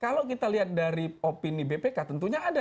kalau kita lihat dari opini bpk tentunya ada